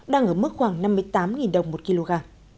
đang ở mức khoảng năm mươi tám đồng một kg